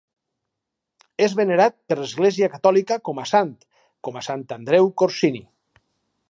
És venerat per l'Església catòlica com a sant, com a Sant Andreu Corsini.